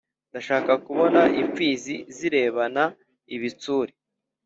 ndashaka kubona imfizi zirebana ibitsure